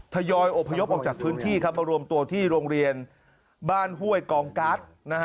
ทยอยอบพยพออกจากพื้นที่มารวมตัวที่โรงเรียนบ้านห้วยกองการ์ด